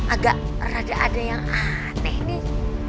agak ada yang aneh nih